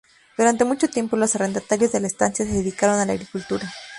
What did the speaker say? Durante mucho tiempo los arrendatarios de la estancia se dedicaron a la agricultura.